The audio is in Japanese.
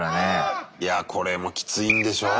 いやこれもきついんでしょう？